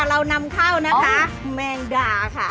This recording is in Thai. เรานำเข้านะคะแมงดาค่ะ